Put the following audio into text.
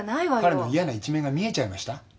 彼の嫌な一面が見えちゃいました？